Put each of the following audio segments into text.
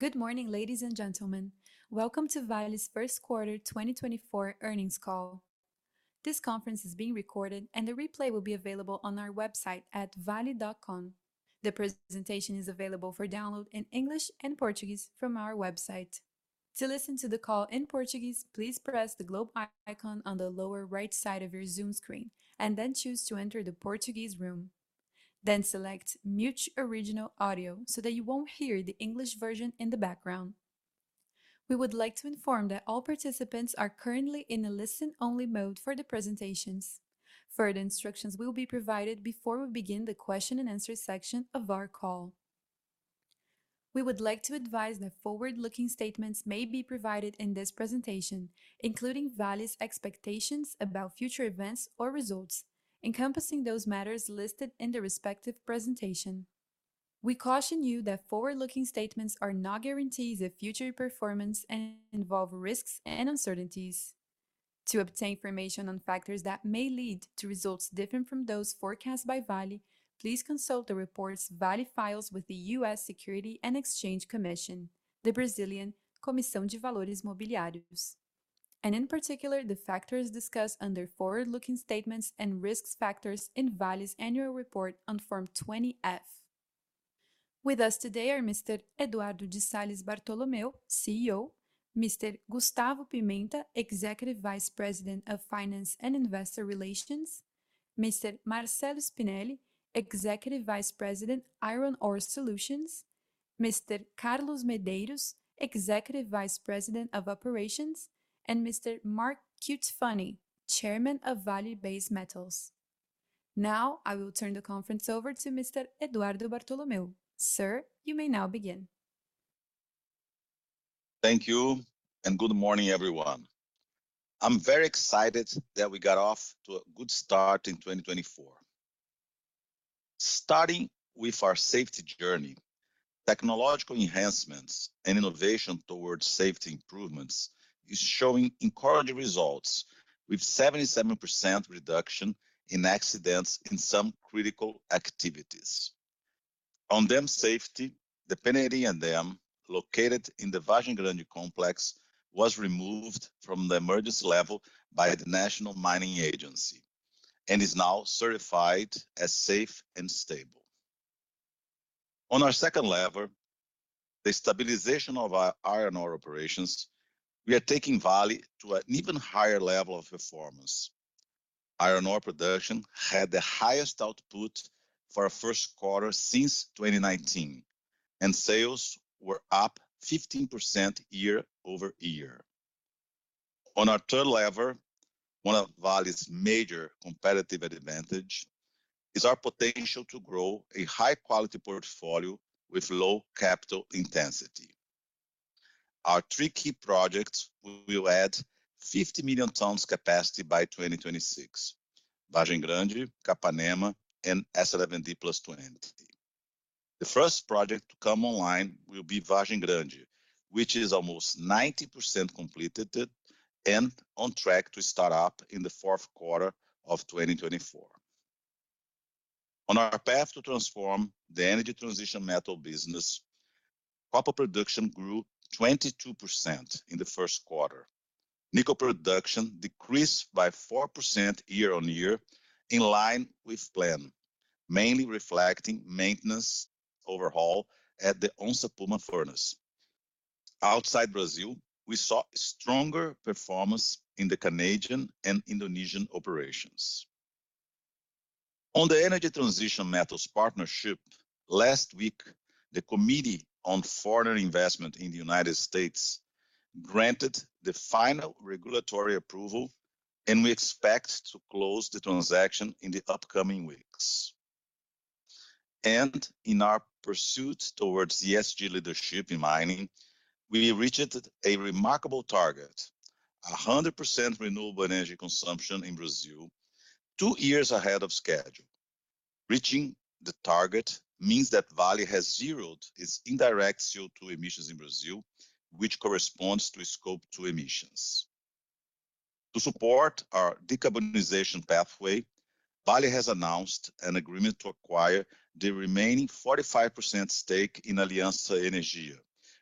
Good morning, ladies and gentlemen. Welcome to Vale's First Quarter 2024 Earnings Call. This conference is being recorded, and the replay will be available on our website at vale.com. The presentation is available for download in English and Portuguese from our website. To listen to the call in Portuguese, please press the globe icon on the lower right side of your Zoom screen and then choose to enter the Portuguese room. Then select "Mute Original Audio" so that you won't hear the English version in the background. We would like to inform that all participants are currently in a listen-only mode for the presentations. Further instructions will be provided before we begin the question-and-answer section of our call. We would like to advise that forward-looking statements may be provided in this presentation, including Vale's expectations about future events or results, encompassing those matters listed in the respective presentation. We caution you that forward-looking statements are not guarantees of future performance and involve risks and uncertainties. To obtain information on factors that may lead to results different from those forecast by Vale, please consult the reports Vale files with the U.S. Securities and Exchange Commission, the Brazilian Comissão de Valores Mobiliários, and in particular the factors discussed under "Forward-looking Statements and Risks Factors" in Vale's annual report on Form 20-F. With us today are Mr. Eduardo de Salles Bartolomeo, CEO; Mr. Gustavo Pimenta, Executive Vice President of Finance and Investor Relations; Mr. Marcello Spinelli, Executive Vice President, Iron Ore Solutions; Mr. Carlos Medeiros, Executive Vice President of Operations; and Mr. Mark Cutifani, Chairman of Vale Base Metals. Now I will turn the conference over to Mr. Eduardo Bartolomeo. Sir, you may now begin. Thank you, and good morning, everyone. I'm very excited that we got off to a good start in 2024. Starting with our safety journey, technological enhancements and innovation towards safety improvements is showing encouraging results, with 77% reduction in accidents in some critical activities. On dam safety, the B3/B4 dam, located in the Vargem Grande complex, was removed from the emergency level by the National Mining Agency and is now certified as safe and stable. On our second level, the stabilization of our iron ore operations, we are taking Vale to an even higher level of performance. Iron ore production had the highest output for our first quarter since 2019, and sales were up 15% year-over-year. On our third level, one of Vale's major competitive advantages is our potential to grow a high-quality portfolio with low capital intensity. Our three key projects will add 50 million tons capacity by 2026: Vargem Grande, Capanema, and S11D+20. The first project to come online will be Vargem Grande, which is almost 90% completed and on track to start up in the fourth quarter of 2024. On our path to transform the energy transition metal business, copper production grew 22% in the first quarter, nickel production decreased by 4% year-over-year in line with plan, mainly reflecting maintenance overhaul at the Onça Puma furnace. Outside Brazil, we saw stronger performance in the Canadian and Indonesian operations. On the energy transition metals partnership, last week the Committee on Foreign Investment in the United States granted the final regulatory approval, and we expect to close the transaction in the upcoming weeks. In our pursuit towards ESG leadership in mining, we reached a remarkable target: 100% renewable energy consumption in Brazil, two years ahead of schedule. Reaching the target means that Vale has zeroed its indirect CO2 emissions in Brazil, which corresponds to Scope 2 emissions. To support our decarbonization pathway, Vale has announced an agreement to acquire the remaining 45% stake in Aliança Energia,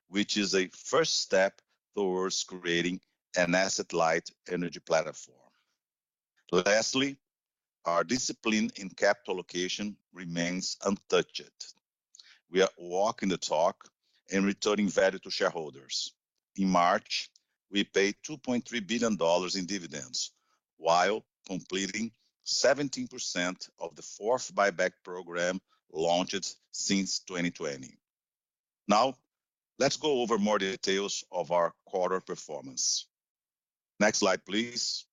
which is a first step towards creating an asset-light energy platform. Lastly, our discipline in capital allocation remains untouched. We are walking the talk and returning value to shareholders. In March, we paid $2.3 billion in dividends while completing 17% of the fourth buyback program launched since 2020. Now, let's go over more details of our quarter performance. Next slide, please.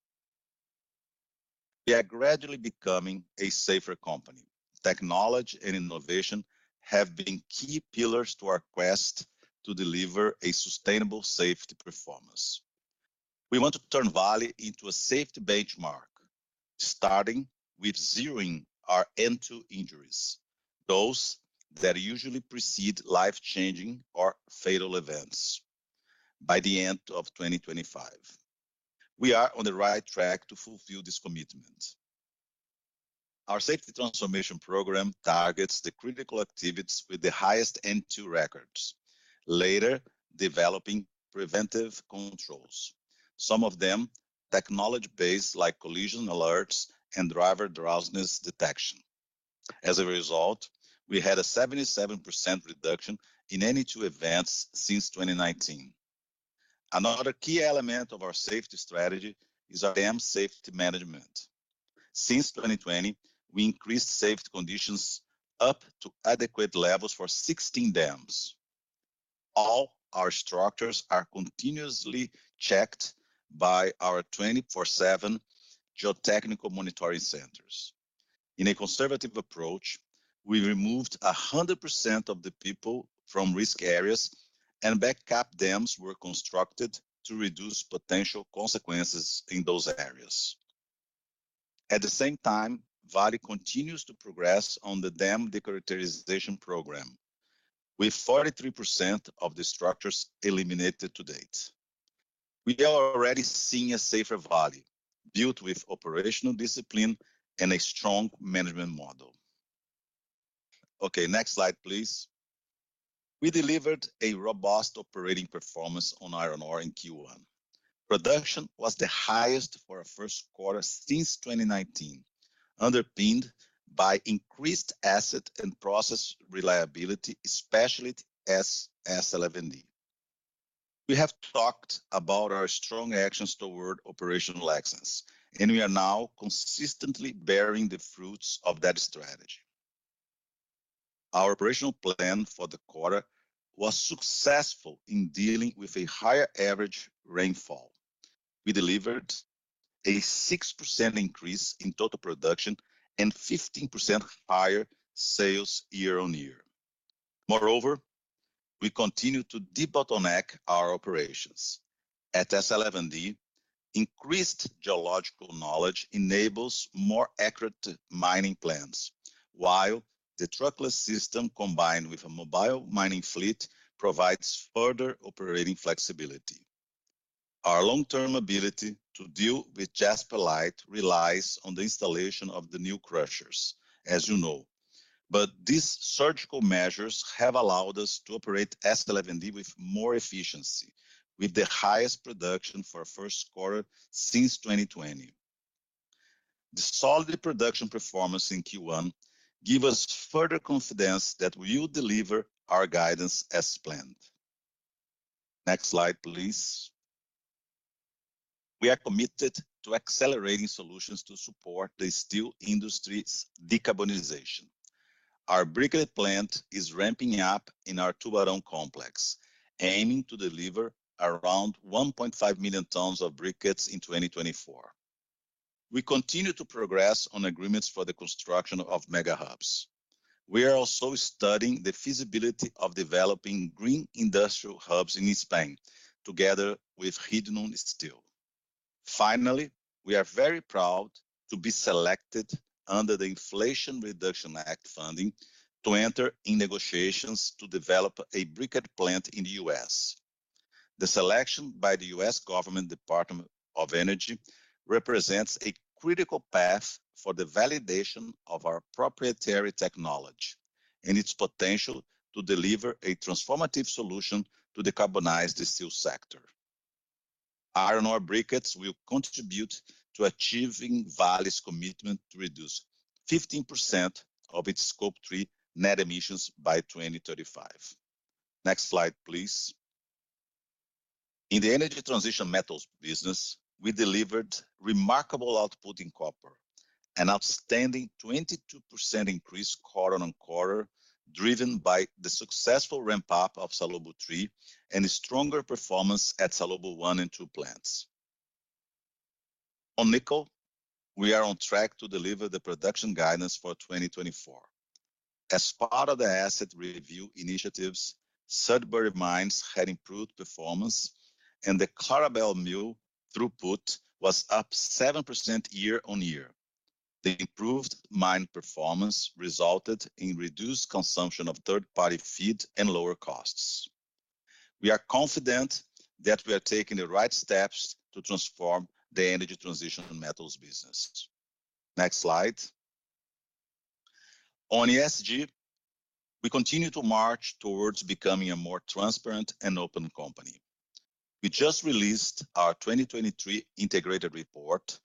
We are gradually becoming a safer company. Technology and innovation have been key pillars to our quest to deliver a sustainable safety performance. We want to turn Vale into a safety benchmark, starting with zeroing our N2 injuries, those that usually precede life-changing or fatal events, by the end of 2025. We are on the right track to fulfill this commitment. Our safety transformation program targets the critical activities with the highest N2 records, later developing preventive controls, some of them technology-based like collision alerts and driver drowsiness detection. As a result, we had a 77% reduction in N2 events since 2019. Another key element of our safety strategy is our dam safety management. Since 2020, we increased safety conditions up to adequate levels for 16 dams. All our structures are continuously checked by our 24/7 geotechnical monitoring centers. In a conservative approach, we removed 100% of the people from risk areas, and backup dams were constructed to reduce potential consequences in those areas. At the same time, Vale continues to progress on the dam decharacterization program, with 43% of the structures eliminated to date. We are already seeing a safer Vale, built with operational discipline and a strong management model. Okay, next slide, please. We delivered a robust operating performance on iron ore in Q1. Production was the highest for our first quarter since 2019, underpinned by increased asset and process reliability, especially S11D. We have talked about our strong actions toward operational excellence, and we are now consistently bearing the fruits of that strategy. Our operational plan for the quarter was successful in dealing with a higher average rainfall. We delivered a 6% increase in total production and 15% higher sales year-on-year. Moreover, we continue to debottleneck our operations. At S11D, increased geological knowledge enables more accurate mining plans, while the truckless system combined with a mobile mining fleet provides further operating flexibility. Our long-term ability to deal with jaspilite relies on the installation of the new crushers, as you know, but these surgical measures have allowed us to operate S11D with more efficiency, with the highest production for our first quarter since 2020. The solid production performance in Q1 gives us further confidence that we will deliver our guidance as planned. Next slide, please. We are committed to accelerating solutions to support the steel industry's decarbonization. Our briquette plant is ramping up in our Tubarão complex, aiming to deliver around 1.5 million tons of briquettes in 2024. We continue to progress on agreements for the construction of mega hubs. We are also studying the feasibility of developing green industrial hubs in Spain, together with Hydnum Steel. Finally, we are very proud to be selected under the Inflation Reduction Act funding to enter in negotiations to develop a briquette plant in the U.S. The selection by the U.S. Department of Energy represents a critical path for the validation of our proprietary technology and its potential to deliver a transformative solution to decarbonize the steel sector. Iron ore briquettes will contribute to achieving Vale's commitment to reduce 15% of its Scope 3 net emissions by 2035. Next slide, please. In the energy transition metals business, we delivered remarkable output in copper, an outstanding 22% increase quarter-over-quarter driven by the successful ramp-up of Salobo 3 and stronger performance at Salobo 1 and 2 plants. On nickel, we are on track to deliver the production guidance for 2024. As part of the asset review initiatives, Sudbury Mines had improved performance, and the Clarabelle Mill throughput was up 7% year-on-year. The improved mine performance resulted in reduced consumption of third-party feed and lower costs. We are confident that we are taking the right steps to transform the energy transition metals business. Next slide. On ESG, we continue to march towards becoming a more transparent and open company. We just released our 2023 integrated report,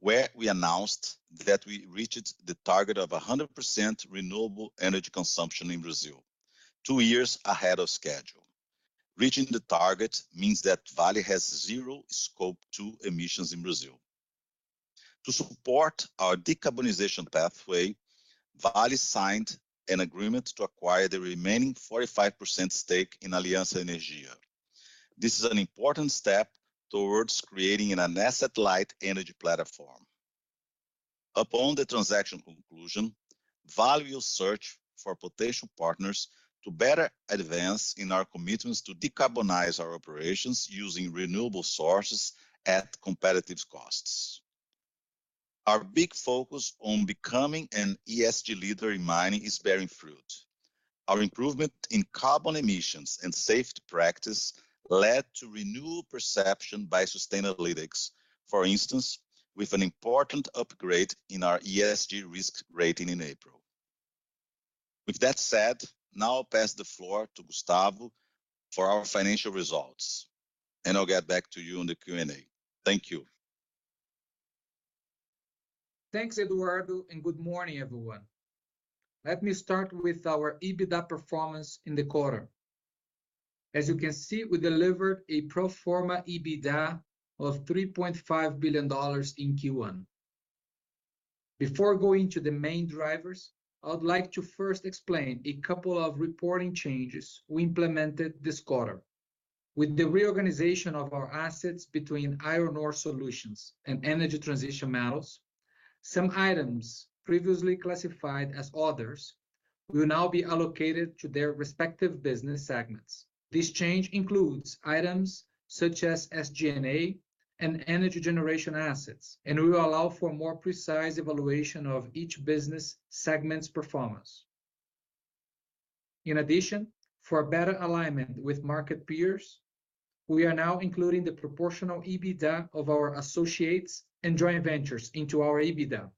where we announced that we reached the target of 100% renewable energy consumption in Brazil, two years ahead of schedule. Reaching the target means that Vale has zero Scope 2 emissions in Brazil. To support our decarbonization pathway, Vale signed an agreement to acquire the remaining 45% stake in Aliança Energia. This is an important step towards creating an asset-light energy platform. Upon the transaction conclusion, Vale will search for potential partners to better advance in our commitments to decarbonize our operations using renewable sources at competitive costs. Our big focus on becoming an ESG leader in mining is bearing fruit. Our improvement in carbon emissions and safety practice led to renewed perception by Sustainalytics, for instance, with an important upgrade in our ESG risk rating in April. With that said, now I'll pass the floor to Gustavo for our financial results, and I'll get back to you on the Q&A. Thank you. Thanks, Eduardo, and good morning, everyone. Let me start with our EBITDA performance in the quarter. As you can see, we delivered a pro forma EBITDA of $3.5 billion in Q1. Before going to the main drivers, I'd like to first explain a couple of reporting changes we implemented this quarter. With the reorganization of our assets between iron ore solutions and energy transition metals, some items previously classified as others will now be allocated to their respective business segments. This change includes items such as SG&A and energy generation assets, and we will allow for more precise evaluation of each business segment's performance. In addition, for better alignment with market peers, we are now including the proportional EBITDA of our associates and joint ventures into our EBITDA.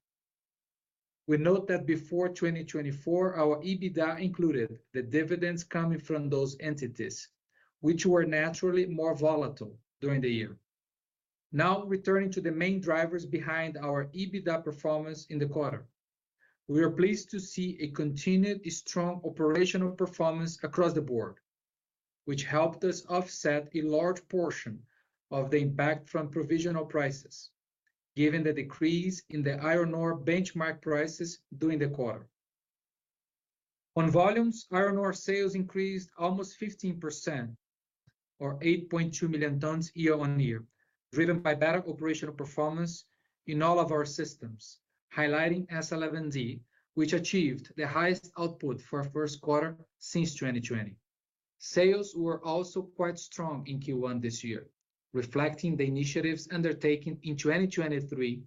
We note that before 2024, our EBITDA included the dividends coming from those entities, which were naturally more volatile during the year. Now, returning to the main drivers behind our EBITDA performance in the quarter, we are pleased to see a continued strong operational performance across the board, which helped us offset a large portion of the impact from provisional prices, given the decrease in the iron ore benchmark prices during the quarter. On volumes, iron ore sales increased almost 15%, or 8.2 million tons year-on-year, driven by better operational performance in all of our systems, highlighting S11D, which achieved the highest output for our first quarter since 2020. Sales were also quite strong in Q1 this year, reflecting the initiatives undertaken in 2023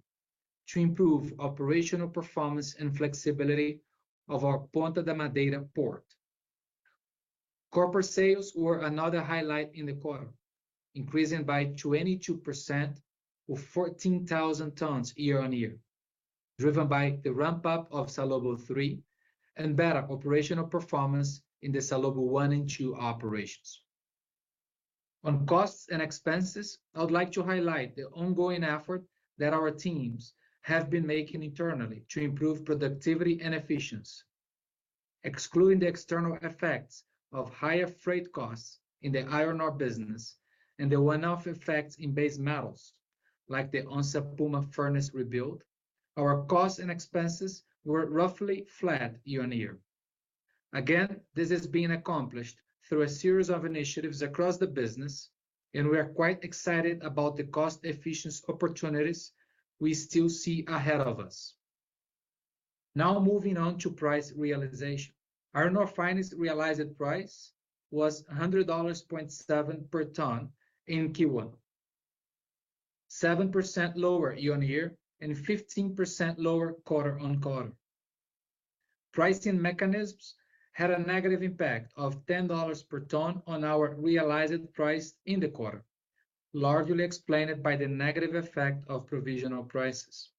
to improve operational performance and flexibility of our Ponta da Madeira port. Corporate sales were another highlight in the quarter, increasing by 22%, or 14,000 tons year-over-year, driven by the ramp-up of Salobo 3 and better operational performance in the Salobo 1 and 2 operations. On costs and expenses, I'd like to highlight the ongoing effort that our teams have been making internally to improve productivity and efficiency. Excluding the external effects of higher freight costs in the iron ore business and the one-off effects in base metals, like the Onça Puma furnace rebuild, our costs and expenses were roughly flat year-over-year. Again, this is being accomplished through a series of initiatives across the business, and we are quite excited about the cost-efficiency opportunities we still see ahead of us. Now, moving on to price realization. Iron ore fines realized price was $100.7 per ton in Q1, 7% lower year-on-year and 15% lower quarter-on-quarter. Pricing mechanisms had a negative impact of $10 per ton on our realized price in the quarter, largely explained by the negative effect of provisional prices.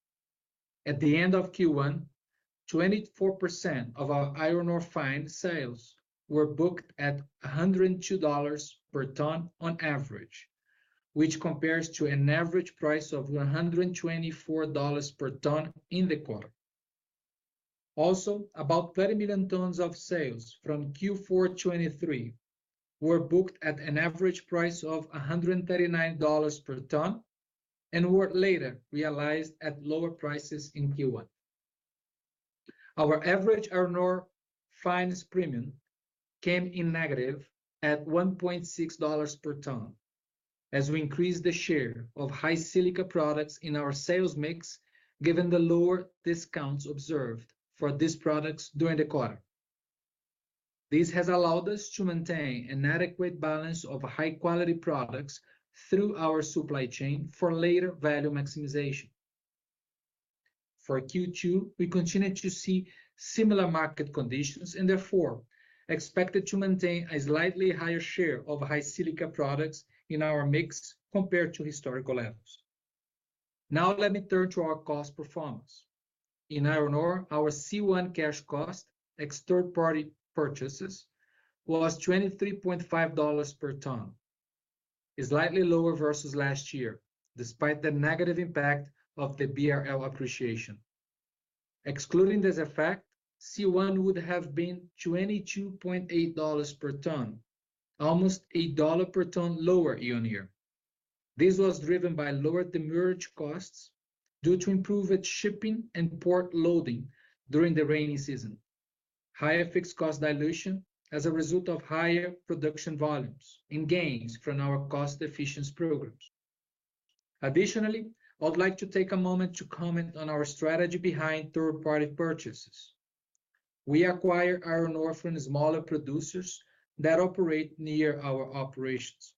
At the end of Q1, 24% of our iron ore fines sales were booked at $102 per ton on average, which compares to an average price of $124 per ton in the quarter. Also, about 30 million tons of sales from Q4 2023 were booked at an average price of $139 per ton and were later realized at lower prices in Q1. Our average iron ore fines premium came in negative at $1.6 per ton as we increased the share of high silica products in our sales mix, given the lower discounts observed for these products during the quarter. This has allowed us to maintain an adequate balance of high-quality products through our supply chain for later value maximization. For Q2, we continue to see similar market conditions and therefore expected to maintain a slightly higher share of high silica products in our mix compared to historical levels. Now, let me turn to our cost performance. In iron ore, our C1 cash cost ex third-party purchases was $23.5 per ton, slightly lower versus last year, despite the negative impact of the BRL appreciation. Excluding this effect, C1 would have been $22.8 per ton, almost $8 per ton lower year-on-year. This was driven by lowered merger costs due to improved shipping and port loading during the rainy season, higher fixed cost dilution as a result of higher production volumes, and gains from our cost-efficiency programs. Additionally, I'd like to take a moment to comment on our strategy behind third-party purchases. We acquire iron ore from smaller producers that operate near our operations.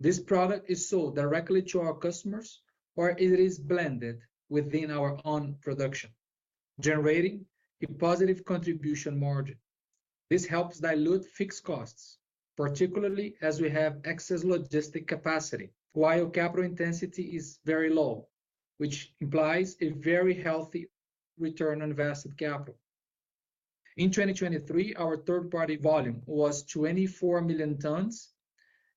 This product is sold directly to our customers, or it is blended within our own production, generating a positive contribution margin. This helps dilute fixed costs, particularly as we have excess logistics capacity while capital intensity is very low, which implies a very healthy return on invested capital. In 2023, our third-party volume was 24 million tons,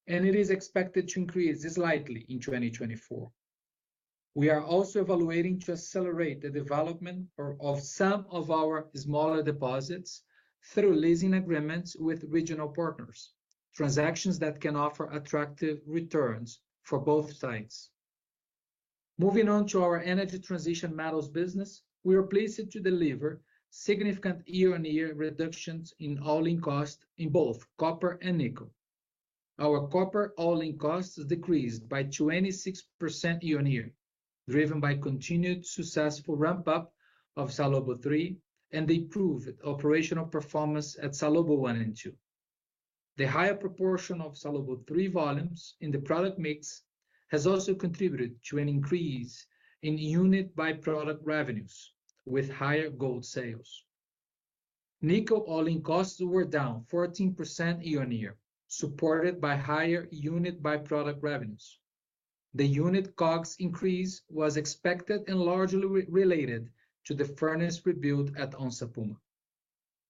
and it is expected to increase slightly in 2024. We are also evaluating to accelerate the development of some of our smaller deposits through leasing agreements with regional partners, transactions that can offer attractive returns for both sides. Moving on to our energy transition metals business, we are pleased to deliver significant year-over-year reductions in all-in costs in both copper and nickel. Our copper all-in costs decreased by 26% year-on-year, driven by continued successful ramp-up of Salobo 3 and the improved operational performance at Salobo 1 and 2. The higher proportion of Salobo 3 volumes in the product mix has also contributed to an increase in unit-by-product revenues, with higher gold sales. Nickel all-in costs were down 14% year-on-year, supported by higher unit-by-product revenues. The unit COGS increase was expected and largely related to the furnace rebuild at Onça Puma.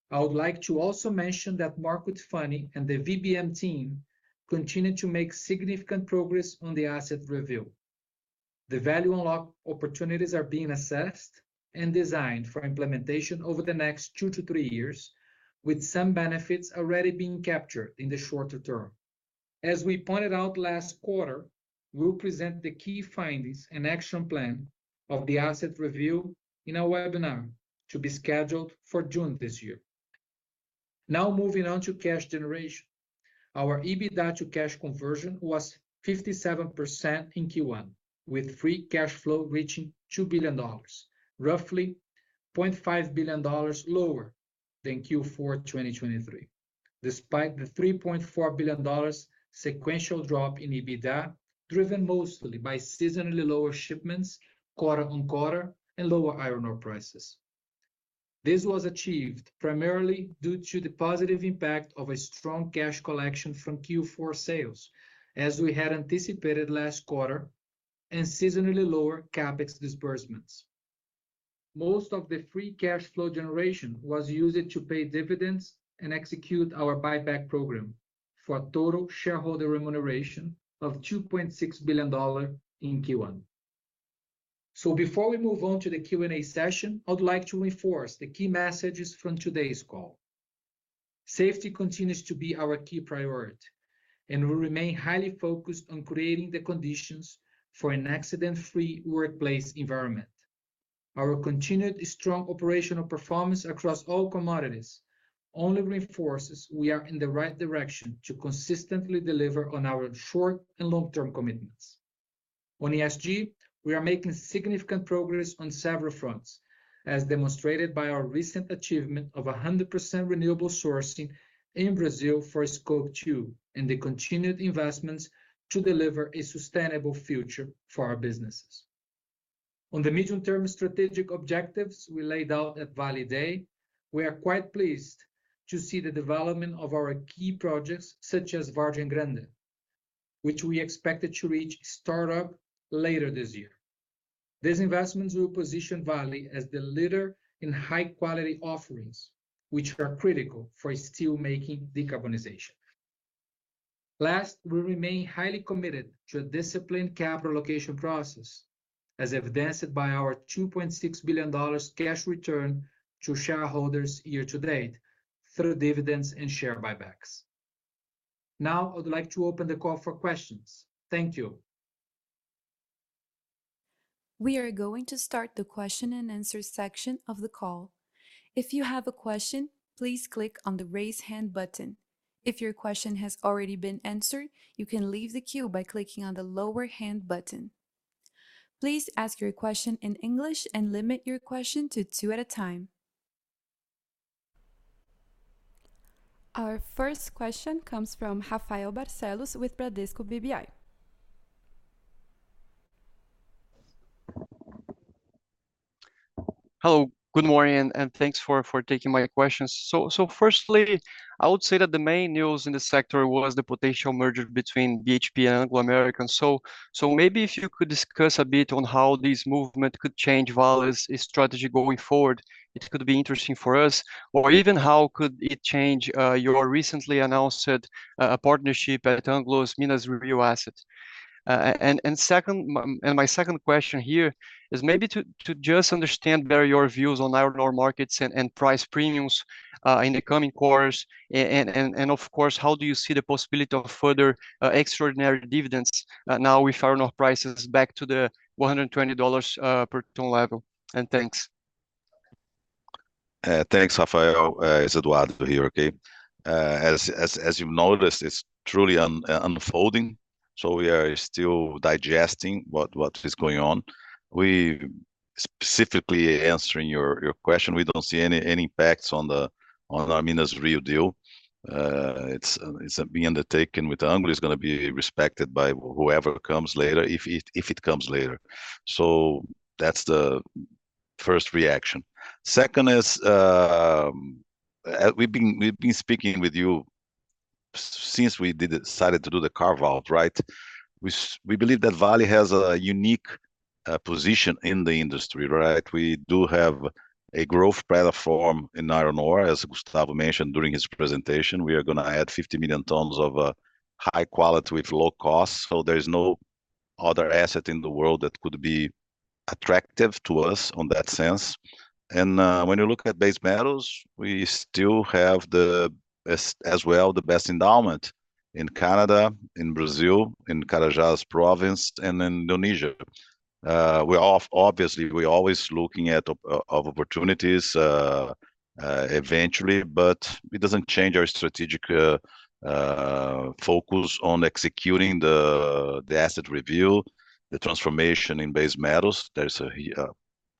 I would like to also mention that Mark Cutifani and the VBM team continue to make significant progress on the asset review. The value unlock opportunities are being assessed and designed for implementation over the next two to three years, with some benefits already being captured in the shorter term. As we pointed out last quarter, we'll present the key findings and action plan of the Asset Review in a webinar to be scheduled for June this year. Now, moving on to cash generation. Our EBITDA to cash conversion was 57% in Q1, with free cash flow reaching $2 billion, roughly $0.5 billion lower than Q4 2023, despite the $3.4 billion sequential drop in EBITDA driven mostly by seasonally lower shipments quarter-on-quarter and lower iron ore prices. This was achieved primarily due to the positive impact of a strong cash collection from Q4 sales, as we had anticipated last quarter, and seasonally lower CapEx disbursements. Most of the free cash flow generation was used to pay dividends and execute our buyback program for a total shareholder remuneration of $2.6 billion in Q1. Before we move on to the Q&A session, I'd like to reinforce the key messages from today's call. Safety continues to be our key priority, and we remain highly focused on creating the conditions for an accident-free workplace environment. Our continued strong operational performance across all commodities only reinforces we are in the right direction to consistently deliver on our short and long-term commitments. On ESG, we are making significant progress on several fronts, as demonstrated by our recent achievement of 100% renewable sourcing in Brazil for Scope 2 and the continued investments to deliver a sustainable future for our businesses. On the medium-term strategic objectives we laid out at Vale Day, we are quite pleased to see the development of our key projects such as Vargem Grande, which we expected to reach startup later this year. These investments will position Vale as the leader in high-quality offerings, which are critical for steelmaking decarbonization. Last, we remain highly committed to a disciplined capital allocation process, as evidenced by our $2.6 billion cash return to shareholders year to date through dividends and share buybacks. Now, I'd like to open the call for questions. Thank you. We are going to start the question and answer section of the call. If you have a question, please click on the raise hand button. If your question has already been answered, you can leave the queue by clicking on the lower hand button. Please ask your question in English and limit your question to two at a time. Our first question comes from Rafael Barcellos with Bradesco BBI. Hello, good morning, and thanks for taking my questions. So, firstly, I would say that the main news in the sector was the potential merger between BHP and Anglo American. So, maybe if you could discuss a bit on how this movement could change Vale's strategy going forward, it could be interesting for us, or even how could it change your recently announced partnership at Anglo's Minas-Rio asset. And my second question here is maybe to just understand better your views on iron ore markets and price premiums in the coming quarters, and of course, how do you see the possibility of further extraordinary dividends now with iron ore prices back to the $120 per ton level? And thanks. Thanks, Rafael. It's Eduardo here, okay? As you've noticed, it's truly unfolding, so we are still digesting what is going on. Specifically answering your question, we don't see any impacts on our Minas-Rio deal. It's being undertaken with Anglo. It's going to be respected by whoever comes later, if it comes later. So, that's the first reaction. Second is, we've been speaking with you since we decided to do the carve-out, right? We believe that Vale has a unique position in the industry, right? We do have a growth platform in iron ore, as Gustavo mentioned during his presentation. We are going to add 50 million tons of high quality with low cost, so there's no other asset in the world that could be attractive to us in that sense. When you look at base metals, we still have as well the best endowment in Canada, in Brazil, in Carajás Province, and in Indonesia. Obviously, we're always looking at opportunities eventually, but it doesn't change our strategic focus on executing the asset review, the transformation in base metals. There's a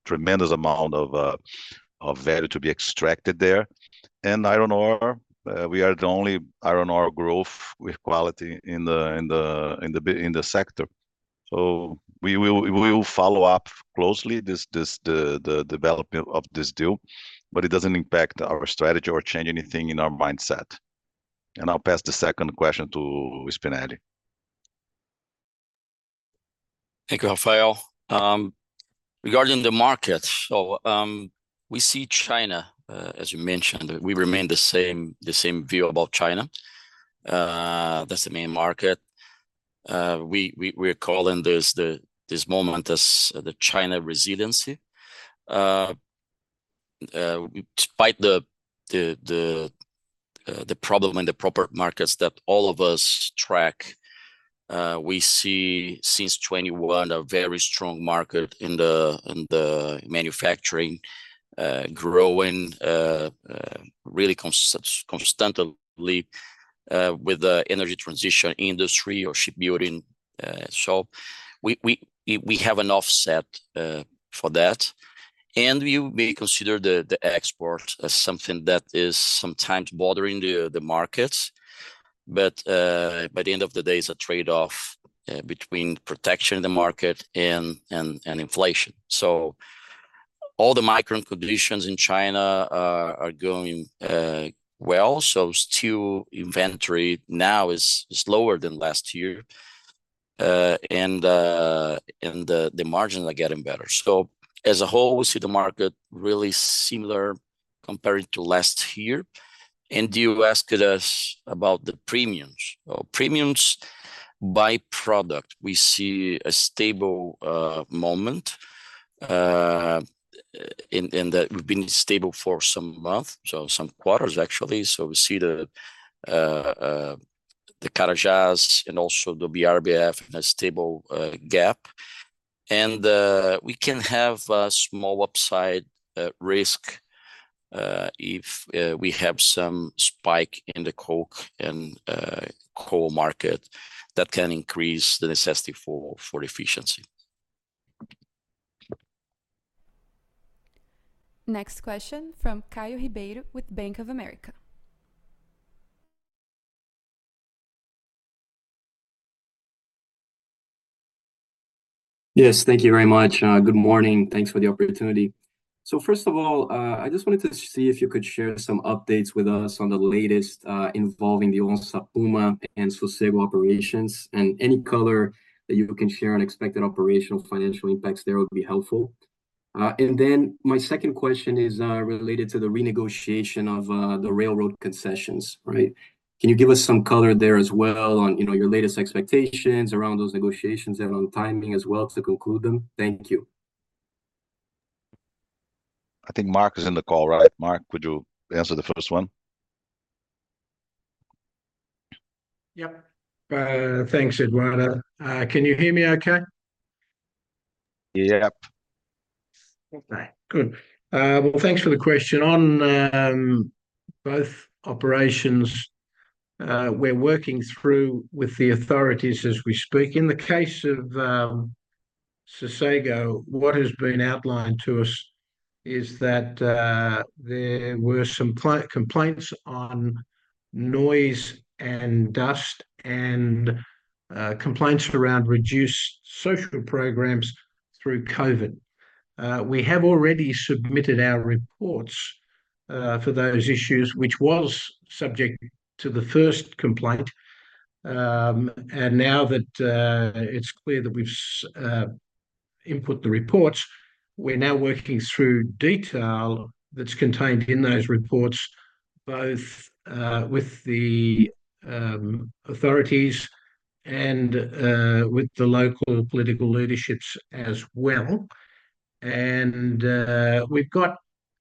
tremendous amount of value to be extracted there. Iron ore, we are the only iron ore growth with quality in the sector. So, we will follow up closely the development of this deal, but it doesn't impact our strategy or change anything in our mindset. I'll pass the second question to Spinelli. Thank you, Rafael. Regarding the markets, we see China, as you mentioned. We remain the same view about China. That's the main market. We're calling this moment as the China resiliency. Despite the problem in the property markets that all of us track, we see since 2021 a very strong market in the manufacturing, growing really constantly with the energy transition industry or shipbuilding. So, we have an offset for that. And we may consider the export as something that is sometimes bothering the markets, but at the end of the day, it's a trade-off between protection in the market and inflation. So, all the macro conditions in China are going well, so steel inventory now is lower than last year, and the margins are getting better. So, as a whole, we see the market really similar compared to last year. And you asked us about the premiums. Premiums by product, we see a stable moment, and we've been stable for some months, so some quarters, actually. So, we see the Carajás and also the BRBF in a stable gap. We can have a small upside risk if we have some spike in the coke and coal market that can increase the necessity for efficiency. Next question from Caio Ribeiro with Bank of America. Yes, thank you very much. Good morning. Thanks for the opportunity. So, first of all, I just wanted to see if you could share some updates with us on the latest involving the Onça Puma and Sossego operations, and any color that you can share on expected operational financial impacts there would be helpful. And then my second question is related to the renegotiation of the railroad concessions, right? Can you give us some color there as well on your latest expectations around those negotiations and on timing as well to conclude them? Thank you. I think Mark is in the call, right? Mark, would you answer the first one? Yep. Thanks, Eduardo. Can you hear me okay? Yep. Okay. Good. Well, thanks for the question. On both operations, we're working through with the authorities as we speak. In the case of Sossego, what has been outlined to us is that there were some complaints on noise and dust and complaints around reduced social programs through COVID. We have already submitted our reports for those issues, which was subject to the first complaint. And now that it's clear that we've input the reports, we're now working through detail that's contained in those reports, both with the authorities and with the local political leaderships as well. And we've got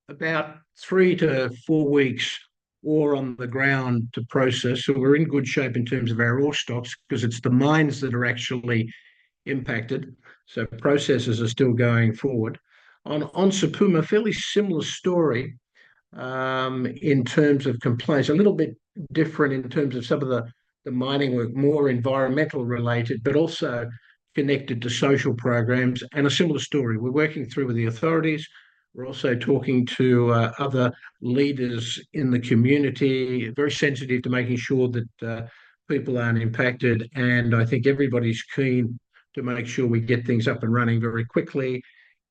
about 3-4 weeks or on the ground to process. So, we're in good shape in terms of our ore stocks because it's the mines that are actually impacted. So, processes are still going forward. On Onça Puma, fairly similar story in terms of complaints, a little bit different in terms of some of the mining work, more environmental related, but also connected to social programs, and a similar story. We're working through with the authorities. We're also talking to other leaders in the community, very sensitive to making sure that people aren't impacted. And I think everybody's keen to make sure we get things up and running very quickly.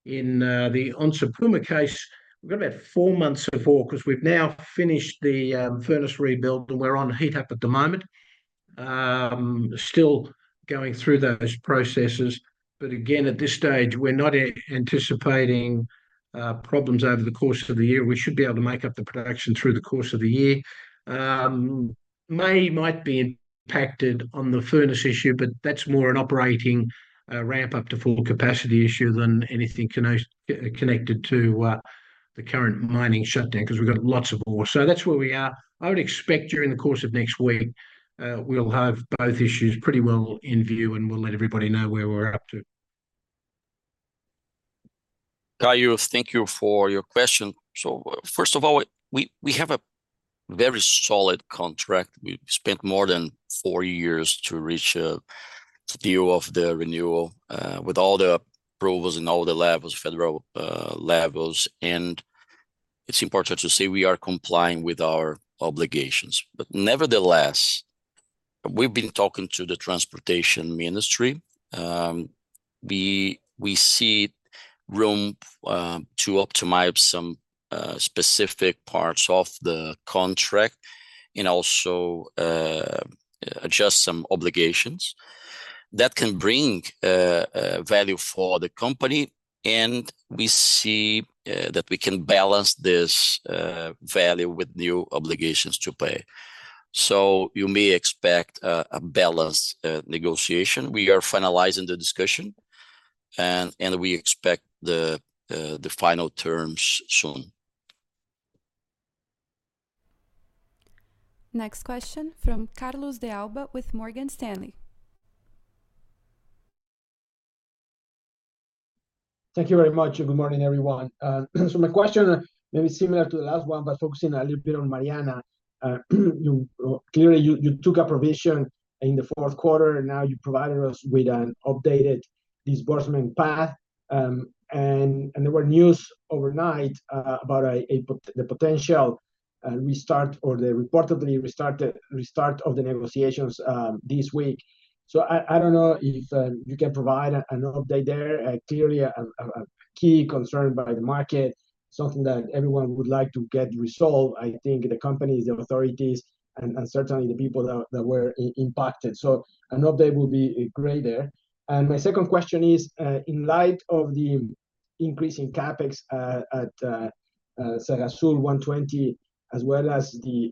In the Onça Puma case, we've got about four months of work because we've now finished the furnace rebuild, and we're on heat-up at the moment, still going through those processes. But again, at this stage, we're not anticipating problems over the course of the year. We should be able to make up the production through the course of the year. May might be impacted on the furnace issue, but that's more an operating ramp-up to full capacity issue than anything connected to the current mining shutdown because we've got lots of ore. That's where we are. I would expect during the course of next week, we'll have both issues pretty well in view, and we'll let everybody know where we're up to. Caio, thank you for your question. First of all, we have a very solid contract. We spent more than four years to reach a deal of the renewal with all the approvals in all the levels, federal levels. It's important to say we are complying with our obligations. Nevertheless, we've been talking to the Transportation Ministry. We see room to optimize some specific parts of the contract and also adjust some obligations that can bring value for the company. We see that we can balance this value with new obligations to pay. You may expect a balanced negotiation. We are finalizing the discussion, and we expect the final terms soon. Next question from Carlos De Alba with Morgan Stanley. Thank you very much. Good morning, everyone. So, my question, maybe similar to the last one, but focusing a little bit on Mariana. Clearly, you took a provision in the fourth quarter, and now you provided us with an updated disbursement path. And there were news overnight about the potential restart or the reportedly restart of the negotiations this week. So, I don't know if you can provide an update there. Clearly, a key concern by the market, something that everyone would like to get resolved, I think, the companies, the authorities, and certainly the people that were impacted. So, an update will be great there. My second question is, in light of the increasing CapEx at Serra Sul S11D, as well as the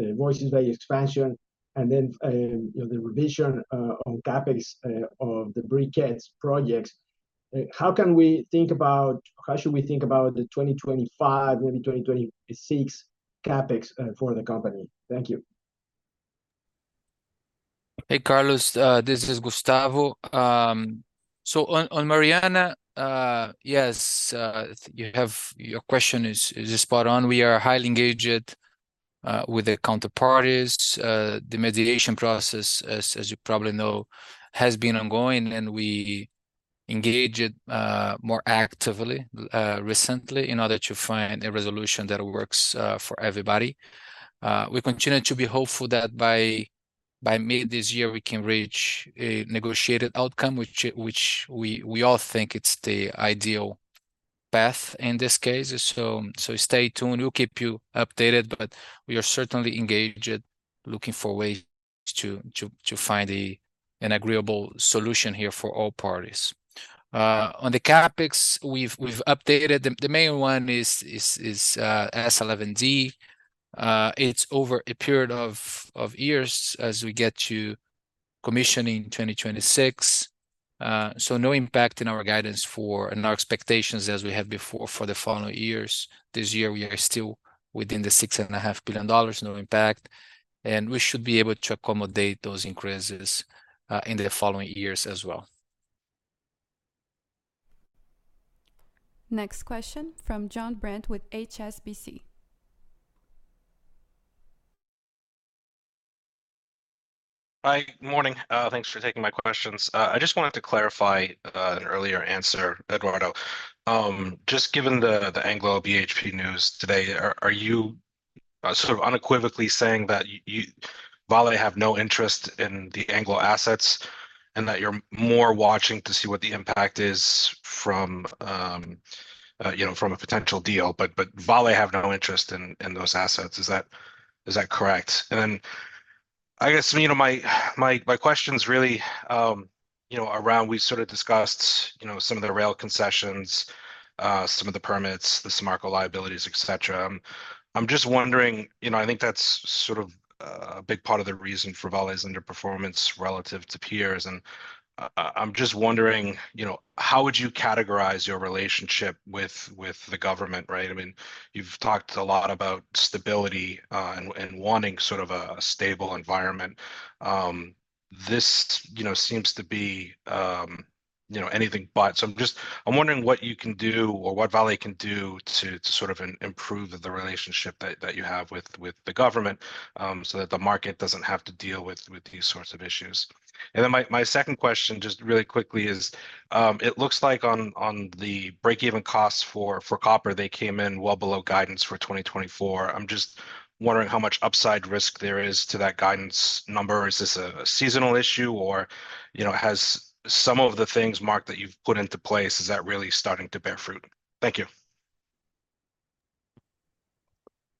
Voisey's Bay expansion, and then the revision on CapEx of the Briquettes projects, how can we think about how should we think about the 2025, maybe 2026 CapEx for the company? Thank you. Hey, Carlos. This is Gustavo. So, on Mariana, yes, your question is spot on. We are highly engaged with the counterparties. The mediation process, as you probably know, has been ongoing, and we engaged more actively recently in order to find a resolution that works for everybody. We continue to be hopeful that by mid this year, we can reach a negotiated outcome, which we all think it's the ideal path in this case. So, stay tuned. We'll keep you updated, but we are certainly engaged, looking for ways to find an agreeable solution here for all parties. On the CapEx, we've updated. The main one is S11D. It's over a period of years as we get to commissioning 2026. So, no impact in our guidance and our expectations as we had before for the following years. This year, we are still within the $6.5 billion, no impact. We should be able to accommodate those increases in the following years as well. Next question from Jon Brandt with HSBC. Hi. Good morning. Thanks for taking my questions. I just wanted to clarify an earlier answer, Eduardo. Just given the Anglo BHP news today, are you sort of unequivocally saying that Vale have no interest in the Anglo assets and that you're more watching to see what the impact is from a potential deal, but Vale have no interest in those assets? Is that correct? And then I guess my question is really around we sort of discussed some of the rail concessions, some of the permits, the Samarco liabilities, etc. I'm just wondering, I think that's sort of a big part of the reason for Vale's underperformance relative to peers. And I'm just wondering, how would you categorize your relationship with the government, right? I mean, you've talked a lot about stability and wanting sort of a stable environment. This seems to be anything but. So, I'm wondering what you can do or what Vale can do to sort of improve the relationship that you have with the government so that the market doesn't have to deal with these sorts of issues. And then my second question, just really quickly, is it looks like on the breakeven costs for copper, they came in well below guidance for 2024. I'm just wondering how much upside risk there is to that guidance number. Is this a seasonal issue, or has some of the things, Mark, that you've put into place, is that really starting to bear fruit? Thank you.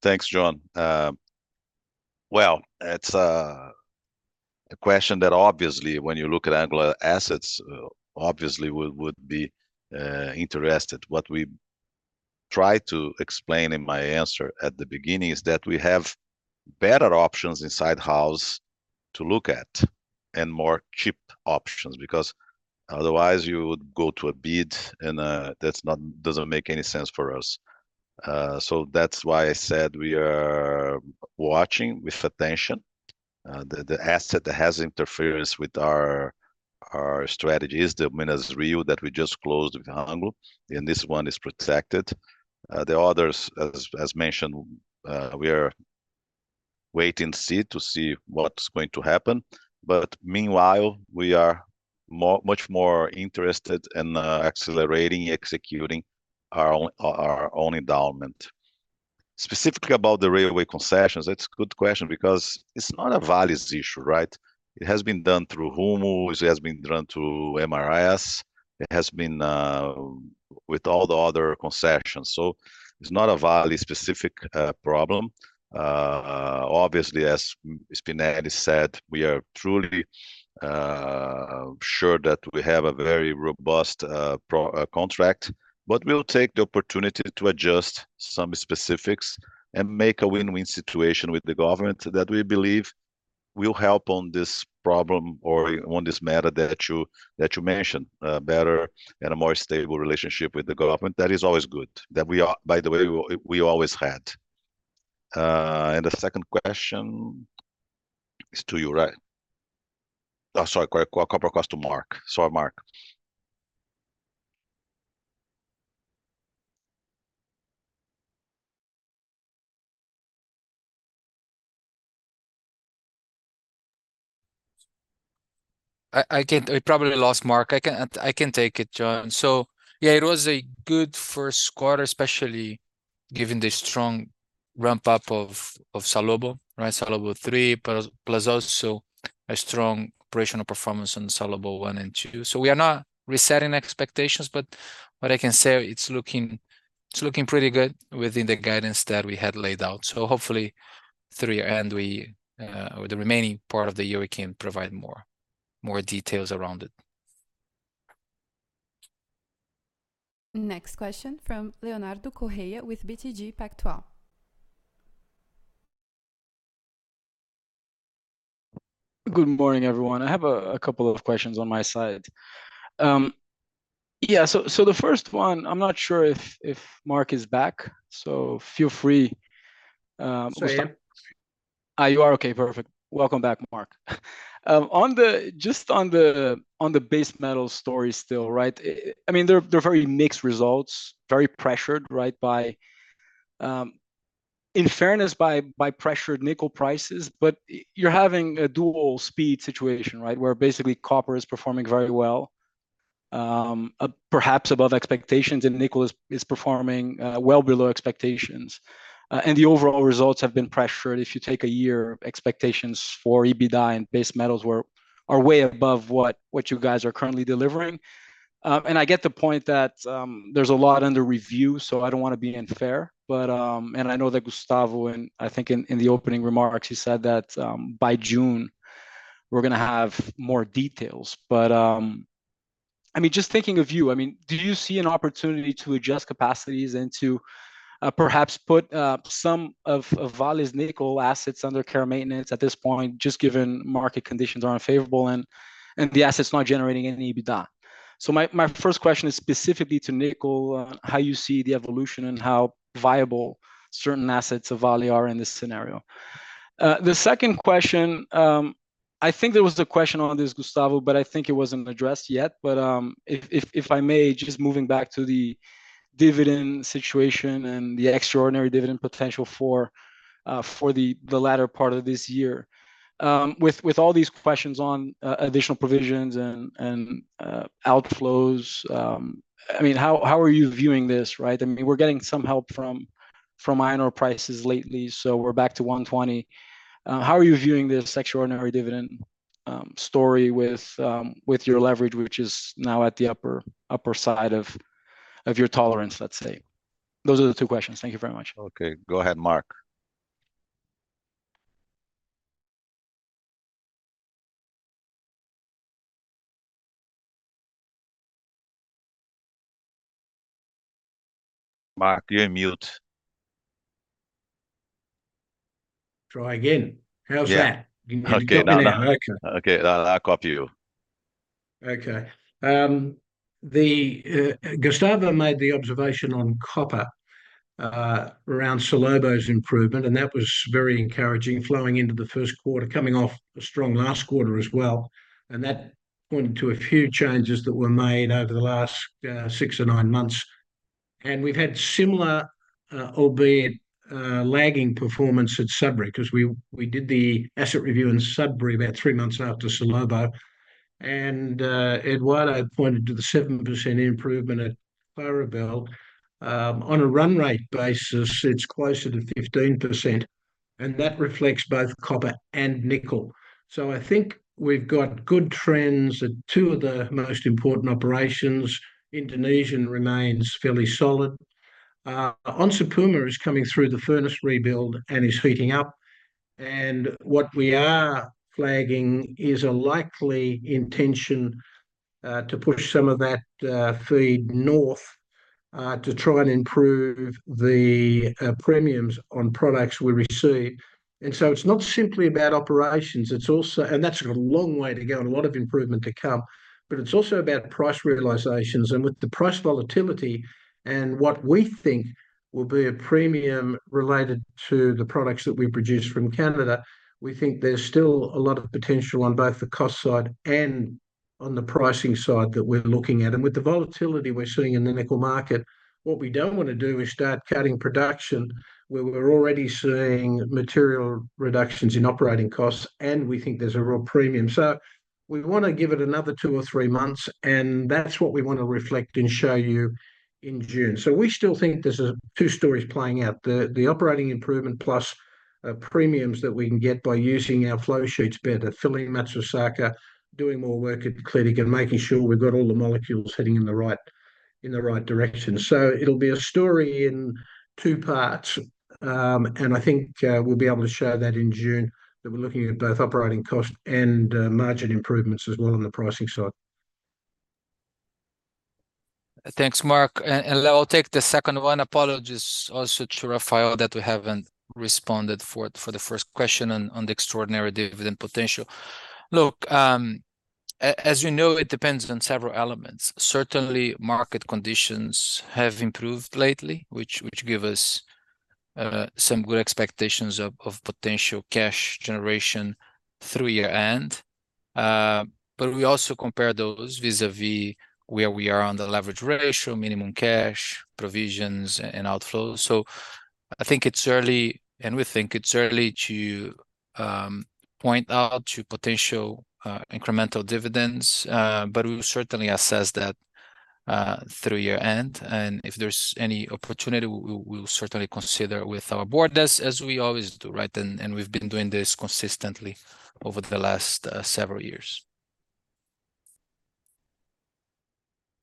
Thanks, Jon. Well, it's a question that obviously, when you look at Anglo assets, obviously would be interested. What we try to explain in my answer at the beginning is that we have better options in-house to look at and more cheap options because otherwise, you would go to a bid, and that doesn't make any sense for us. So, that's why I said we are watching with attention. The asset that has interference with our strategy is the Minas-Rio that we just closed with Anglo, and this one is protected. The others, as mentioned, we are wait and see to see what's going to happen. But meanwhile, we are much more interested in accelerating and executing our own endowment. Specifically about the railway concessions, it's a good question because it's not a Vale's issue, right? It has been done through Rumo. It has been done through MRS. It has been with all the other concessions. So, it's not a Vale-specific problem. Obviously, as Spinelli said, we are truly sure that we have a very robust contract, but we'll take the opportunity to adjust some specifics and make a win-win situation with the government that we believe will help on this problem or on this matter that you mentioned, better and a more stable relationship with the government. That is always good, by the way, we always had. And the second question is to you, right? Oh, sorry, copper cost to Mark. Sorry, Mark. I probably lost Mark. I can take it, Jon. So, yeah, it was a good first quarter, especially given the strong ramp-up of Salobo, right? Salobo 3, plus also a strong operational performance on Salobo 1 and 2. So, we are not resetting expectations, but what I can say, it's looking pretty good within the guidance that we had laid out. So, hopefully, through the end, with the remaining part of the year, we can provide more details around it. Next question from Leonardo Correa with BTG Pactual. Good morning, everyone. I have a couple of questions on my side. Yeah, so the first one, I'm not sure if Mark is back, so feel free. You are okay. Perfect. Welcome back, Mark. Just on the base metal story still, right? I mean, they're very mixed results, very pressured, right, in fairness, by pressured nickel prices, but you're having a dual-speed situation, right, where basically copper is performing very well, perhaps above expectations, and nickel is performing well below expectations. The overall results have been pressured. If you take a year, expectations for EBITDA and base metals are way above what you guys are currently delivering. I get the point that there's a lot under review, so I don't want to be unfair. I know that Gustavo, I think in the opening remarks, he said that by June, we're going to have more details. But I mean, just thinking of you, I mean, do you see an opportunity to adjust capacities and to perhaps put some of Vale's nickel assets under care and maintenance at this point, just given market conditions are unfavorable and the asset's not generating any EBITDA? So, my first question is specifically to nickel, how you see the evolution and how viable certain assets of Vale are in this scenario. The second question, I think there was a question on this, Gustavo, but I think it wasn't addressed yet. But if I may, just moving back to the dividend situation and the extraordinary dividend potential for the latter part of this year, with all these questions on additional provisions and outflows, I mean, how are you viewing this, right? I mean, we're getting some help from iron ore prices lately, so we're back to $120. How are you viewing this extraordinary dividend story with your leverage, which is now at the upper side of your tolerance, let's say? Those are the two questions. Thank you very much. Okay. Go ahead, Mark. Mark, you're in mute. Try again. How's that? Yeah. Okay. Now, now. Okay. I copy you. Okay. Gustavo made the observation on copper around Salobo's improvement, and that was very encouraging, flowing into the first quarter, coming off a strong last quarter as well. And that pointed to a few changes that were made over the last six or nine months. And we've had similar, albeit lagging, performance at Sudbury because we did the asset review in Sudbury about three months after Salobo. And Eduardo pointed to the 7% improvement at Clarabelle. On a run-rate basis, it's closer to 15%, and that reflects both copper and nickel. So, I think we've got good trends at two of the most important operations. Indonesian remains fairly solid. Onça Puma is coming through the furnace rebuild and is heating up. And what we are flagging is a likely intention to push some of that feed north to try and improve the premiums on products we receive. And so, it's not simply about operations. And that's got a long way to go and a lot of improvement to come. But it's also about price realizations. And with the price volatility and what we think will be a premium related to the products that we produce from Canada, we think there's still a lot of potential on both the cost side and on the pricing side that we're looking at. And with the volatility we're seeing in the nickel market, what we don't want to do is start cutting production where we're already seeing material reductions in operating costs, and we think there's a real premium. So, we want to give it another two or three months, and that's what we want to reflect and show you in June. So, we still think there's two stories playing out: the operating improvement plus premiums that we can get by using our flow sheets better, filling Matsusaka, doing more work at Clydach, and making sure we've got all the molecules heading in the right direction. So, it'll be a story in two parts. And I think we'll be able to show that in June, that we're looking at both operating cost and margin improvements as well on the pricing side. Thanks, Mark. And I'll take the second one. Apologies also to Rafael that we haven't responded for the first question on the extraordinary dividend potential. Look, as you know, it depends on several elements. Certainly, market conditions have improved lately, which give us some good expectations of potential cash generation through year-end. But we also compare those vis-à-vis where we are on the leverage ratio, minimum cash, provisions, and outflows. So, I think it's early, and we think it's early to point out potential incremental dividends. But we'll certainly assess that through year-end. And if there's any opportunity, we'll certainly consider with our board, as we always do, right? And we've been doing this consistently over the last several years.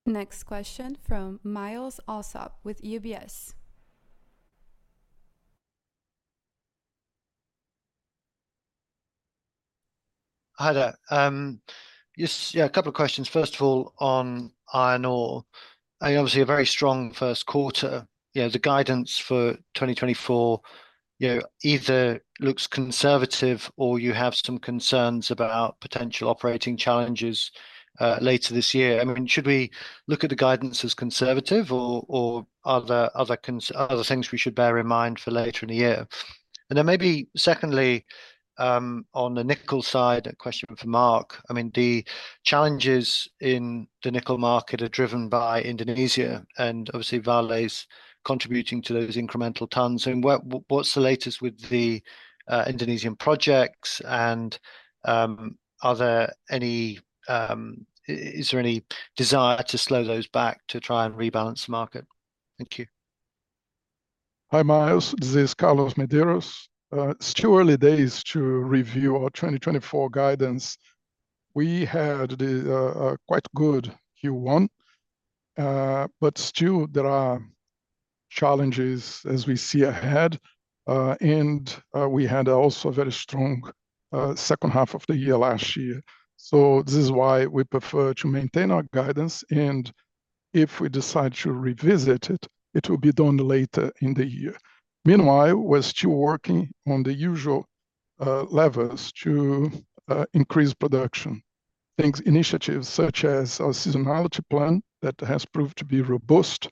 Next question from Myles Allsop with UBS. Hi. Yeah, a couple of questions. First of all, on iron ore, I mean, obviously, a very strong first quarter. The guidance for 2024 either looks conservative or you have some concerns about potential operating challenges later this year. I mean, should we look at the guidance as conservative or are there other things we should bear in mind for later in the year? And then maybe secondly, on the nickel side, a question for Mark. I mean, the challenges in the nickel market are driven by Indonesia and obviously Vale's contributing to those incremental tons. I mean, what's the latest with the Indonesian projects? And is there any desire to slow those back to try and rebalance the market? Thank you. Hi, Myles. This is Carlos Medeiros. It's too early days to review our 2024 guidance. We had quite a good Q1, but still, there are challenges as we see ahead. We had also a very strong second half of the year last year. This is why we prefer to maintain our guidance. If we decide to revisit it, it will be done later in the year. Meanwhile, we're still working on the usual levers to increase production, initiatives such as our seasonality plan that has proved to be robust,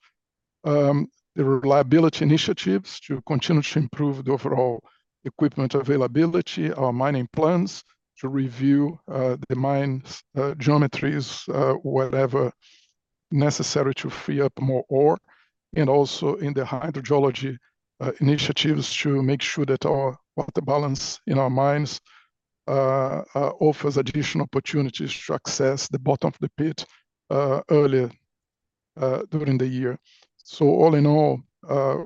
the reliability initiatives to continue to improve the overall equipment availability, our mining plans to review the mine geometries, whatever necessary to free up more ore, and also in the hydrogeology initiatives to make sure that our water balance in our mines offers additional opportunities to access the bottom of the pit earlier during the year. All in all,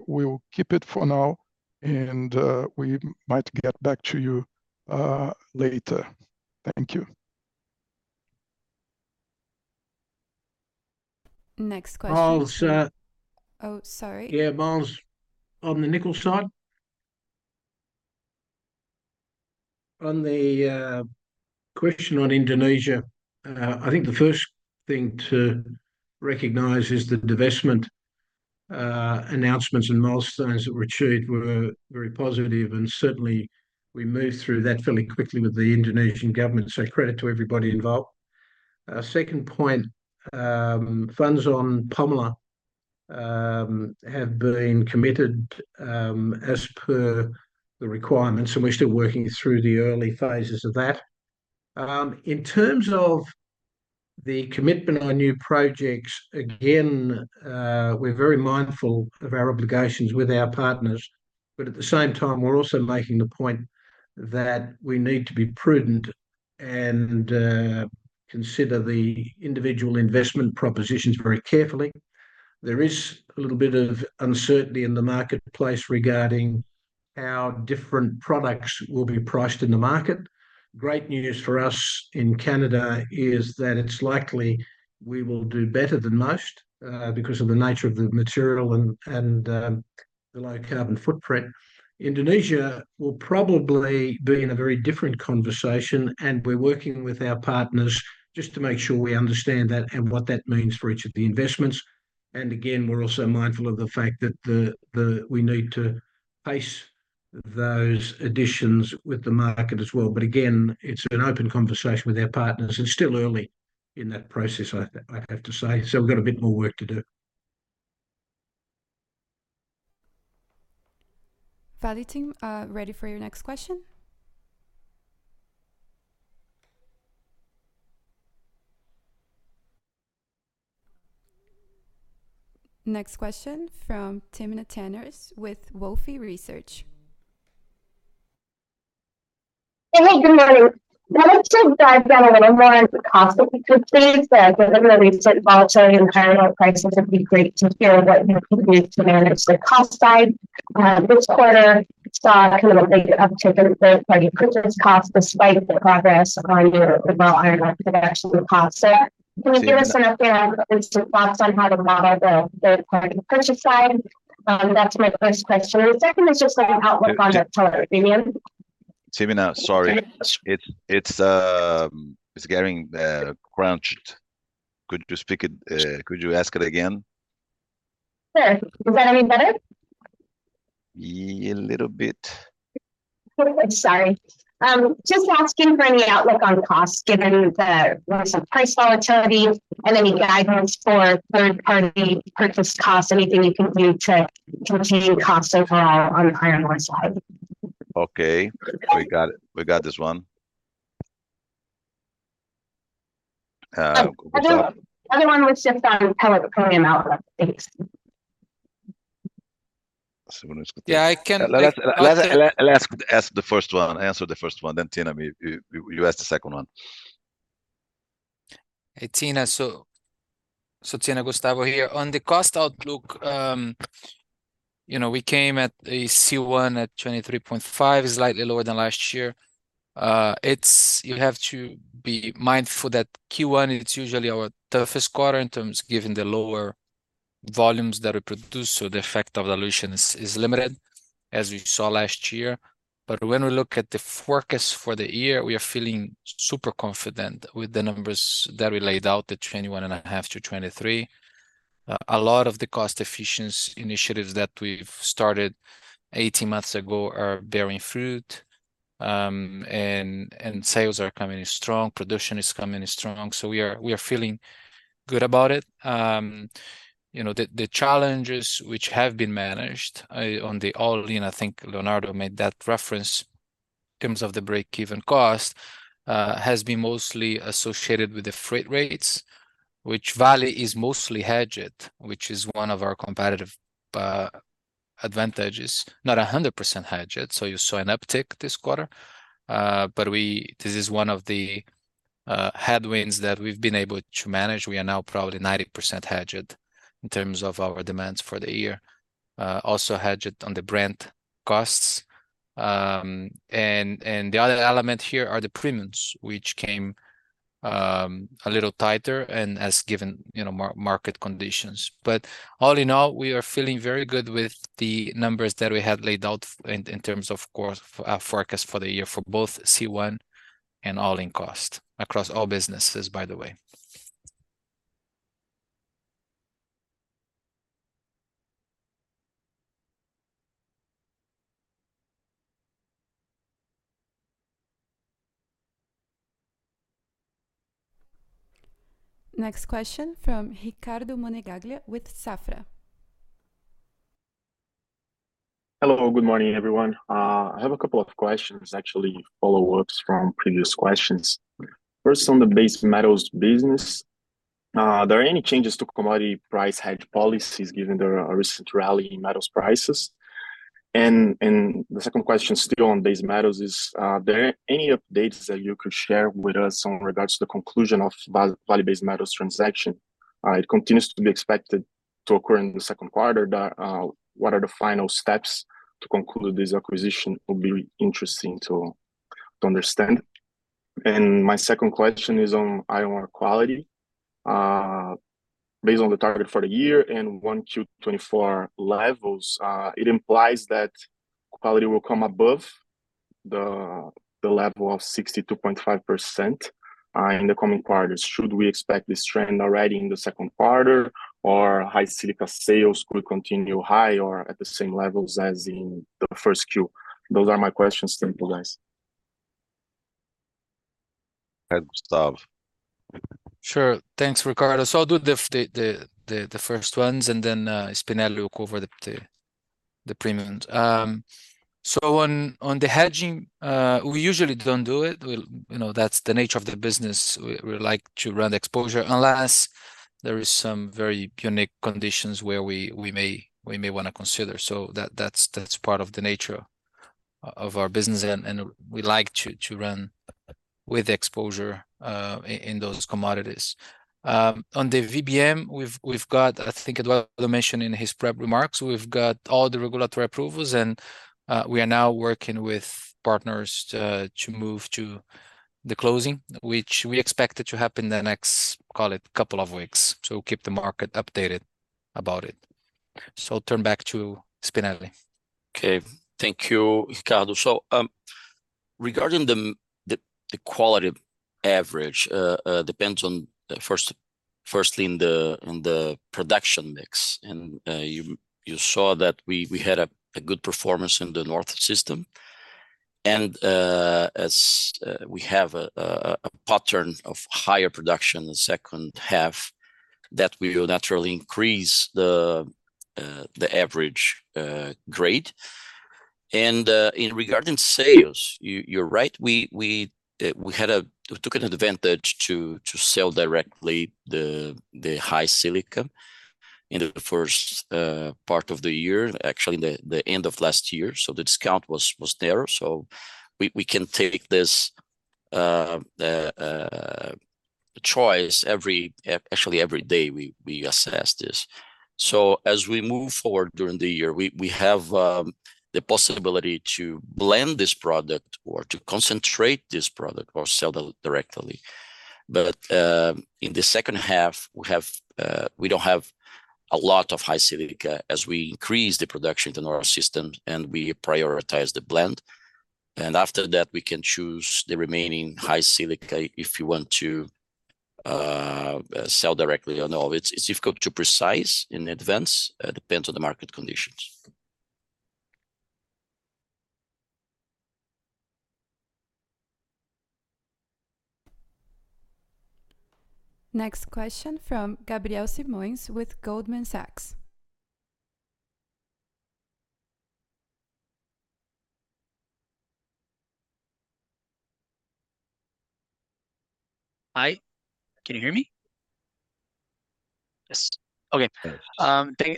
we'll keep it for now, and we might get back to you later. Thank you. Next question. Miles. Oh, sorry. Yeah, Miles, on the nickel side. On the question on Indonesia, I think the first thing to recognize is the divestment announcements and milestones that were achieved were very positive. And certainly, we moved through that fairly quickly with the Indonesian government. So, credit to everybody involved. Second point, funds on Pomalaa have been committed as per the requirements, and we're still working through the early phases of that. In terms of the commitment on new projects, again, we're very mindful of our obligations with our partners. But at the same time, we're also making the point that we need to be prudent and consider the individual investment propositions very carefully. There is a little bit of uncertainty in the marketplace regarding how different products will be priced in the market. Great news for us in Canada is that it's likely we will do better than most because of the nature of the material and the low carbon footprint. Indonesia will probably be in a very different conversation, and we're working with our partners just to make sure we understand that and what that means for each of the investments. And again, we're also mindful of the fact that we need to pace those additions with the market as well. But again, it's an open conversation with our partners. It's still early in that process, I have to say. So, we've got a bit more work to do. Vale team, ready for your next question? Next question from Timna Tanners with Wolfe Research. Hey, good morning. I'd like to dive down a little more into cost if you could, please, given the recent volatility in iron ore prices. It'd be great to hear what your commitment is to manage the cost side. This quarter, we saw kind of a big uptick in third-party purchase costs despite the progress on your overall iron ore production costs. So, can you give us an update on initial thoughts on how to model the third-party purchase side? That's my first question. And the second is just an outlook on the tellurium. Timna, sorry. It's getting crunched. Could you speak it? Could you ask it again? Sure. Is that any better? A little bit. I'm sorry. Just asking for any outlook on costs given the recent price volatility and any guidance for third-party purchase costs, anything you can do to contain costs overall on the iron ore side? Okay. We got this one. The other one was just on tellurium outlook, thanks. Yeah, I can. Let's ask the first one. Answer the first one. Then, Tina, you ask the second one. Hey, Tina. So, Tina, Gustavo here. On the cost outlook, we came at a C1 at $23.5, slightly lower than last year. You have to be mindful that Q1, it's usually our toughest quarter in terms given the lower volumes that we produce, so the effect of dilution is limited as we saw last year. But when we look at the forecast for the year, we are feeling super confident with the numbers that we laid out, the $21.5-$23. A lot of the cost efficiency initiatives that we've started 18 months ago are bearing fruit. And sales are coming in strong. Production is coming in strong. So, we are feeling good about it. The challenges which have been managed on the all-in, I think Leonardo made that reference, in terms of the break-even cost has been mostly associated with the freight rates, which Vale is mostly hedged, which is one of our competitive advantages. Not 100% hedged, so you saw an uptick this quarter. But this is one of the headwinds that we've been able to manage. We are now probably 90% hedged in terms of our demands for the year. Also hedged on the freight costs. And the other element here are the premiums, which came a little tighter and as given market conditions. But all in all, we are feeling very good with the numbers that we had laid out in terms of forecast for the year for both C1 and all-in cost across all businesses, by the way. Next question from Ricardo Monegaglia with Safra. Hello. Good morning, everyone. I have a couple of questions, actually, follow-ups from previous questions. First, on the base metals business, are there any changes to commodity price hedge policies given the recent rally in metals prices? And the second question, still on base metals, is there any updates that you could share with us in regards to the conclusion of Vale Base Metals transaction? It continues to be expected to occur in the second quarter. What are the final steps to conclude this acquisition? It will be interesting to understand. And my second question is on iron ore quality. Based on the target for the year and 1Q24 levels, it implies that quality will come above the level of 62.5% in the coming quarters. Should we expect this trend already in the second quarter, or high silica sales could continue high or at the same levels as in the first Q? Those are my questions, Tim, for guys. Hi, Gustavo. Sure. Thanks, Ricardo. So, I'll do the first ones, and then Spinelli will cover the premiums. So, on the hedging, we usually don't do it. That's the nature of the business. We like to run the exposure unless there are some very unique conditions where we may want to consider. So, that's part of the nature of our business, and we like to run with exposure in those commodities. On the VBM, I think Eduardo mentioned in his prep remarks, we've got all the regulatory approvals, and we are now working with partners to move to the closing, which we expect it to happen in the next, call it, couple of weeks. So, we'll keep the market updated about it. So, I'll turn back to Spinelli. Okay. Thank you, Ricardo. So, regarding the quality average, it depends on, firstly, in the production mix. And you saw that we had a good performance in the North System. And as we have a pattern of higher production in the second half, that will naturally increase the average grade. And regarding sales, you're right. We took an advantage to sell directly the high silica in the first part of the year, actually in the end of last year. So, the discount was narrow. So, we can take this choice actually every day. We assess this. So, as we move forward during the year, we have the possibility to blend this product or to concentrate this product or sell it directly. But in the second half, we don't have a lot of high silica as we increase the production in the North System and we prioritize the blend. After that, we can choose the remaining high silica if we want to sell directly or not. It's difficult to predict in advance. It depends on the market conditions. Next question from Gabriel Simões with Goldman Sachs. Hi. Can you hear me? Yes. Okay.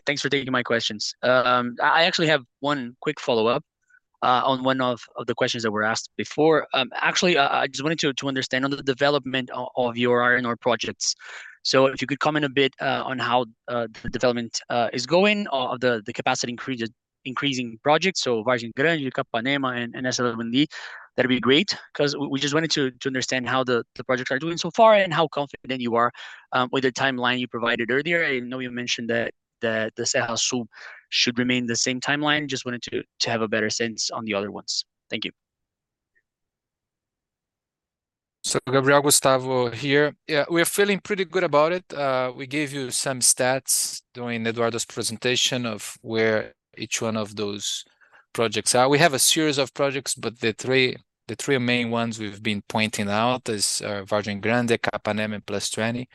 Thanks for taking my questions. I actually have one quick follow-up on one of the questions that were asked before. Actually, I just wanted to understand on the development of your iron ore projects. So, if you could comment a bit on how the development is going of the capacity-increasing projects, so Vargem Grande, Capanema, and S11D, that'd be great because we just wanted to understand how the projects are doing so far and how confident you are with the timeline you provided earlier. I know you mentioned that the Serra Sul should remain the same timeline. Just wanted to have a better sense on the other ones. Thank you. So, Gabriel Gustavo here. Yeah, we are feeling pretty good about it. We gave you some stats during Eduardo's presentation of where each one of those projects are. We have a series of projects, but the three main ones we've been pointing out are Vargem Grande, Capanema, and +20.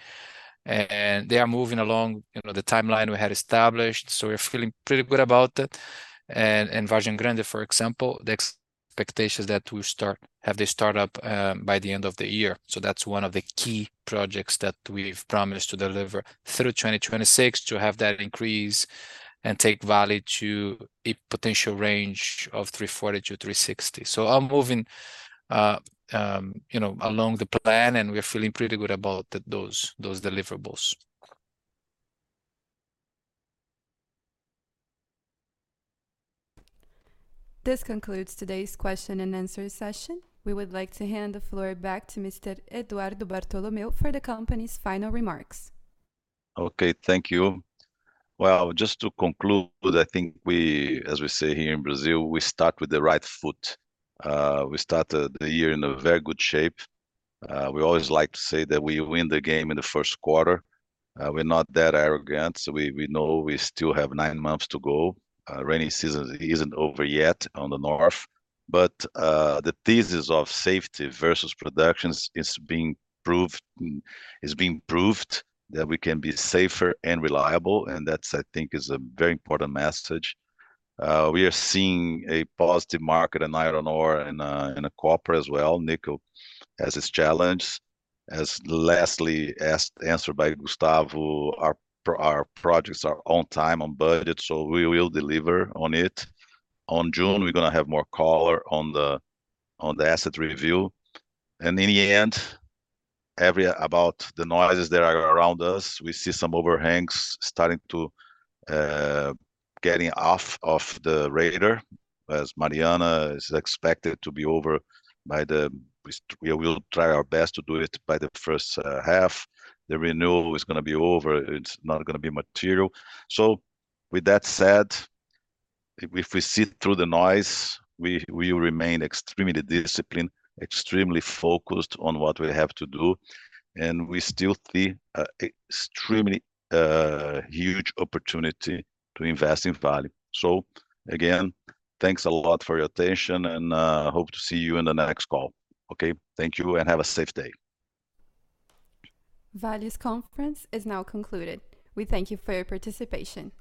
And they are moving along the timeline we had established. So, we're feeling pretty good about it. And Vargem Grande, for example, the expectations that we'll start have they start up by the end of the year. So, that's one of the key projects that we've promised to deliver through 2026 to have that increase and take Vale to a potential range of 340-360. So, I'm moving along the plan, and we're feeling pretty good about those deliverables. This concludes today's question and answers session. We would like to hand the floor back to Mr. Eduardo Bartolomeo for the company's final remarks. Okay. Thank you. Well, just to conclude, I think we, as we say here in Brazil, we start with the right foot. We started the year in a very good shape. We always like to say that we win the game in the first quarter. We're not that arrogant. We know we still have nine months to go. Rainy season isn't over yet on the north. But the thesis of safety versus production is being proved that we can be safer and reliable. And that, I think, is a very important message. We are seeing a positive market in iron ore and in copper as well. Nickel has its challenges. As lastly answered by Gustavo, our projects are on time, on budget, so we will deliver on it. On June, we're going to have more color on the asset review. And in the end, about the noises that are around us, we see some overhangs starting to get off the radar. As Mariana is expected to be over by then. We will try our best to do it by the first half. The renewal is going to be over. It's not going to be material. So, with that said, if we see through the noise, we will remain extremely disciplined, extremely focused on what we have to do. And we still see an extremely huge opportunity to invest in Vale. So, again, thanks a lot for your attention, and I hope to see you in the next call. Okay? Thank you, and have a safe day. Vale's conference is now concluded. We thank you for your participation.